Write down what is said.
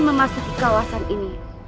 memasuki kawasan ini